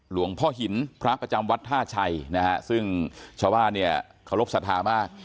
หลวงพ่อหินพระประจำวัดท่าชัยซึ่งเฉพาะเนี่ยขอรบศรัทธามาก